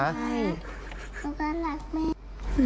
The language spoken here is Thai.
ใช่หนูก็รักแม่